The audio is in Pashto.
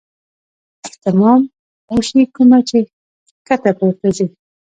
اهتمام اوشي کومه چې ښکته پورته ځي -